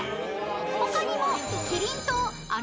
［他にも］